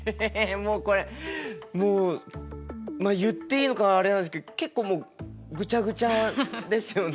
もうこれもう言っていいのかあれなんですけど結構もうぐちゃぐちゃですよね。